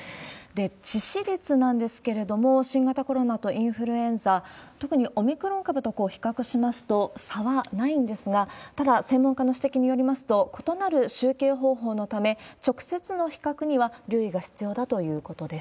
致死率なんですけれども、新型コロナとインフルエンザ、特にオミクロン株と比較しますと、差はないんですが、ただ、専門家の指摘によりますと、異なる集計方法のため、直接の比較には留意が必要だということです。